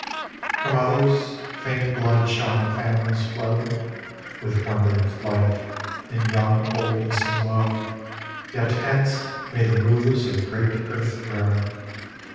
From others, faint blood shall in families flow, With wonder at life, and young oldness in woe, Yet hence may the movers of great earth grow.